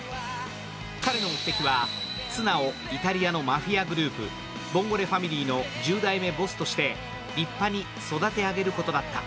彼の目的はツナをイタリアのマフィアグループ、ボンゴレファミリーの１０代目ボスとして立派に育て上げることだった。